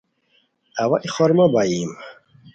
اوا ای خورما بائیم